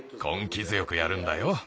こん気づよくやるんだよ。